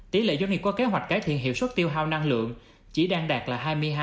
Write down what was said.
tỷ lệ doanh nghiệp có kế hoạch cải thiện hiệu suất tiêu hào năng lượng chỉ đang đạt là hai mươi hai bốn mươi bảy